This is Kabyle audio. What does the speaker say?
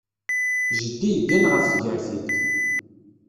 Jeddi yeggan ɣef tgertilt.